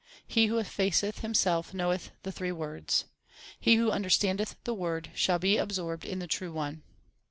He who effaceth himself knoweth the three worlds. He who understandeth the Word, shall be absorbed in the True One.